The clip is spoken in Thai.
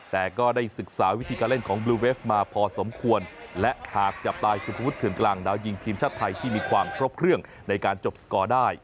แต่ก็ได้ศึกษาวิธีการเล่นของบลูเวฟมาพอสมควรและหากจับตายสุภวุฒเถื่อนกลางดาวยิงทีมชาติไทยที่มีความครบเครื่องในการจบสกอร์ได้